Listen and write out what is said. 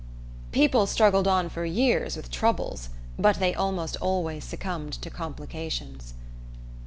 People struggled on for years with "troubles," but they almost always succumbed to "complications."